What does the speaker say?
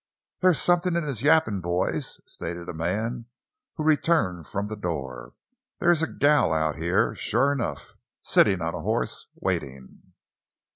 "There's somethin' in his yappin', boys," stated a man who returned from the door; "there's a gal out here, sure enough, setting on a hoss, waitin'."